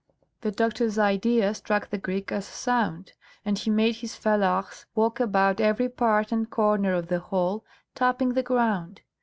The doctor's idea struck the Greek as sound, and he made his fellahs walk about every part and corner of the hall, tapping the ground.